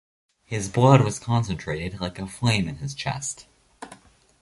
His blood was concentrated like a flame in his chest.